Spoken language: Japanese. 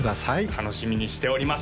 楽しみにしております